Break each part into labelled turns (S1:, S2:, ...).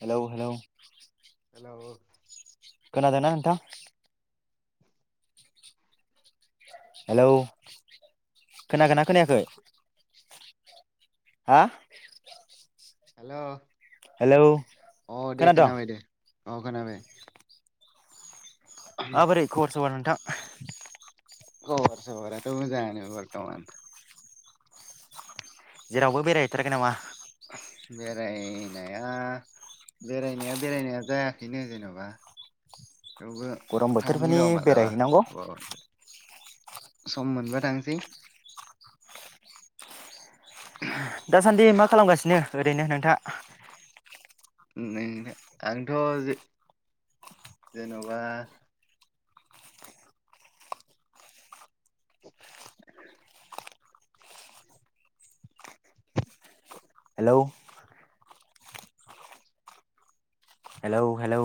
S1: Hello hello
S2: hello
S1: खोनादोंना नोथां? Hello खोनागोनना खोनायाखै? हा
S2: हेल'
S1: हेलौ खोनादों।
S2: औ खोनाबाय।
S1: माबोरै खबर सबर नोंथां?
S2: खबर सबराथ' मोजांयानो बरथमान।
S1: जेरावबो बेरायहैथाराखै नामा?
S2: बेरायनाया बेरायनाया बेरायनाया जायाखैनो जेनबा थेवबो
S1: गरम
S2: थांनि
S1: बोथोरफोरनि
S2: र' मालाबा
S1: बेरायहैनांगौ
S2: अ सम मोनबा थांसै।
S1: दासानदि मा खालामगासिनो ओरैनो नोंथा?
S2: आंथ' जे जेनबा [unintelligible]
S1: हेलौ हेलौ हेलौ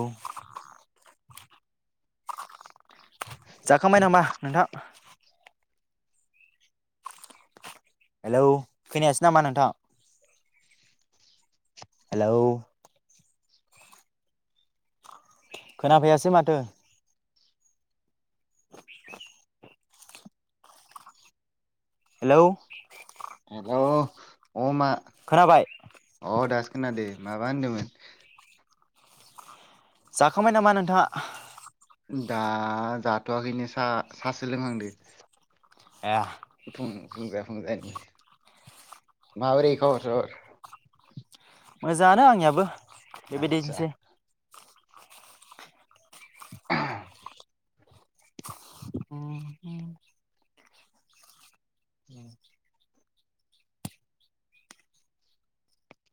S1: जाखांबाय नामा नोंथां? हेलौ खोनायासै नामा नोंथां? हेलौ खोनाफैयासै माथो। हेलौ
S2: हेल' ओम
S1: खोनाबाय।
S2: अह दासो खोनादो माबा होनदोंमोन?
S1: जाखांबाय नामा नोंथाङा?
S2: दा जाथ'वाखैनो सा सासो लोंहांदो।
S1: एह
S2: फुं फुंजा फुंजानि माबोरै खबर सबर?
S1: मोजाङानो आंनियाबो
S2: आदसा
S1: बेबायदिनोसै [unintelligible] ओम